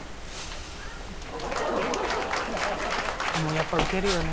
やっぱウケるよね。